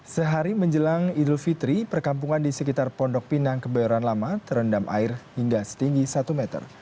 sehari menjelang idul fitri perkampungan di sekitar pondok pinang kebayoran lama terendam air hingga setinggi satu meter